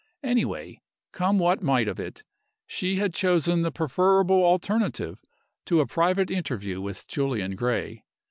Anyway, come what might of it, she had chosen the preferable alternative to a private interview with Julian Gray.